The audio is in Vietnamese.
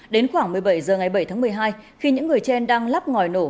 đến khoảng một mươi bảy h ngày bảy tháng một mươi hai khi những người trên đang lắp ngòi nổ